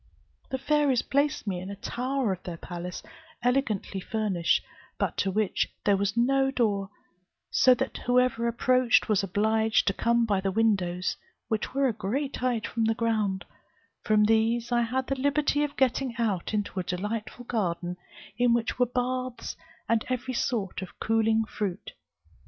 The fairies placed me in a tower of their palace, elegantly furnished, but to which there was no door, so that whoever approached was obliged to come by the windows, which were a great height from the ground: from these I had the liberty of getting out into a delightful garden, in which were baths, and every sort of cooling fruit.